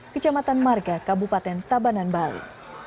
kecamatan marga kabupaten tabanan bali